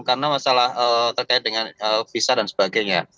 karena masalah terkait dengan visa dan sebagainya